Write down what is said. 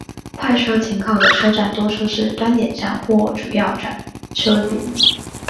快车停靠的车站多数是端点站或主要转车点。